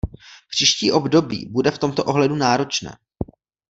Příští období bude v tomto ohledu náročné.